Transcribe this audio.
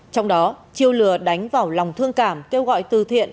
trong đó chiêu lừa đánh vào lòng thương cảm kêu gọi từ thiện